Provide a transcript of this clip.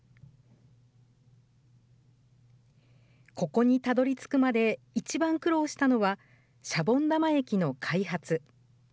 ここにたどりつくまで一番苦労したのは、シャボン玉液の開発。